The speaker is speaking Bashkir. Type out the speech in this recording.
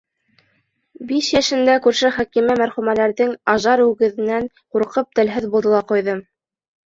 Биш йәшендә күрше Хәкимә мәрхүмәләрҙең ажар үгеҙенән ҡурҡып телһеҙ булды ла ҡуйҙы.